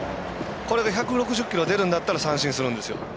これで１６０キロ出るんだったら三振するんですよ。